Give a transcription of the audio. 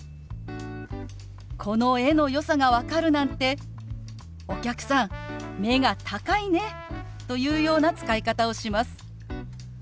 「この絵のよさが分かるなんてお客さん目が高いね」というような使い方をします。